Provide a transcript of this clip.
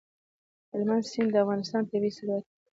هلمند سیند د افغانستان طبعي ثروت دی.